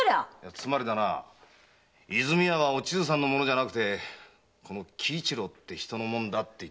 つまりだな和泉屋はお千津さんのものじゃなくてこの喜一郎って人のもんだって言ってるわけだ。